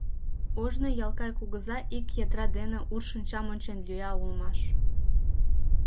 Ожно Ялкай кугыза ик ядра дене ур шинчам ончен лӱя улмаш...